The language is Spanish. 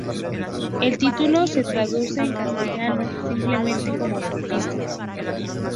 El título se traduce en castellano simplemente como "Autopista".